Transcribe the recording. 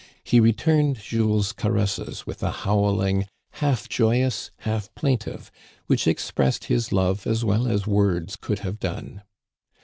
He returned Jules's caresses with a howling half joyous, half plaintive, which expressed his love as well as words could have done.